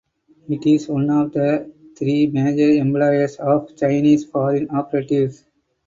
It is one of the three major employers of Chinese foreign operatives.